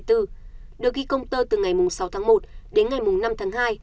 được ghi công tơ từ ngày sáu tháng một đến ngày năm tháng hai